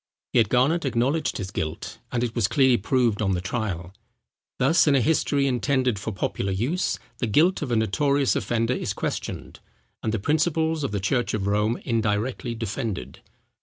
Yet Garnet acknowledged his guilt, and it was clearly proved on the trial. Thus, in a history intended for popular use, the guilt of a notorious offender is questioned, and the principles of the church of Rome indirectly defended.